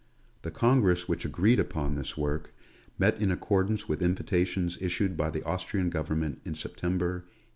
The congress which agreed upon this work, met in accordance with invitations issued by the Austrian Government in September, 1873.